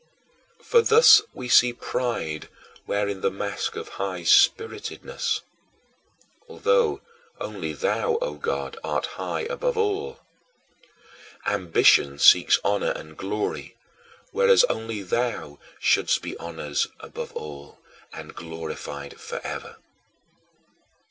13. For thus we see pride wearing the mask of high spiritedness, although only thou, O God, art high above all. Ambition seeks honor and glory, whereas only thou shouldst be honored above all, and glorified forever.